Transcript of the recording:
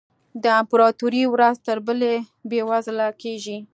د امپراتوري ورځ تر بلې بېوزله کېږي.